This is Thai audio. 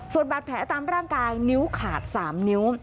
ส่วนบาดแผลตามร่างกายนิ้วขาด๓นิ้ว